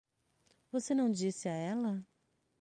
Você não disse a ela?